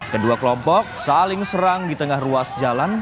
kedua kelompok saling serang di tengah ruas jalan